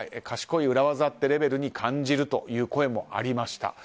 賢い裏技っていうレベルに感じるという声もありました。